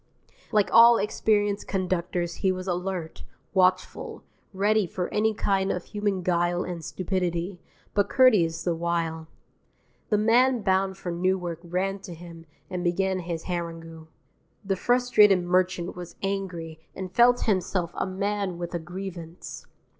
Like all experienced conductors he was alert, watchful, ready for any kind of human guile and stupidity, but courteous the while. The man bound for Newark ran to him and began his harangue. The frustrated merchant was angry and felt himself a man with a grievance.